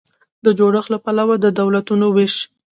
د جوړښت له پلوه د دولتونو وېش